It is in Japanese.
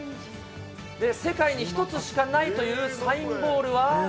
世界に一つしかないというサインボールは。